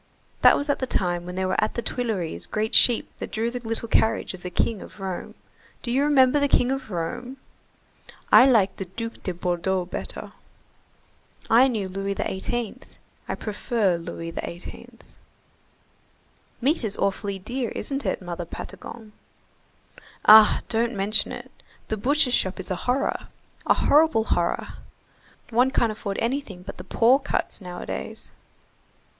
That was at the time when there were at the Tuileries great sheep that drew the little carriage of the King of Rome. Do you remember the King of Rome?" "I liked the Duc de Bordeau better." "I knew Louis XVIII. I prefer Louis XVIII." "Meat is awfully dear, isn't it, Mother Patagon?" "Ah! don't mention it, the butcher's shop is a horror. A horrible horror—one can't afford anything but the poor cuts nowadays."